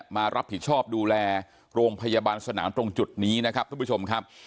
มารับผิดชอบดูแลโรงพยาบาลสนามตรงจุดนี้นะครับทุกผู้ชมครับ